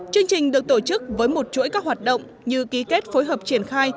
chương trình được tổ chức với một chuỗi các hoạt động như ký kết phối hợp triển khai